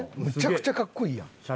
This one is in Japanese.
むちゃくちゃかっこいいやん。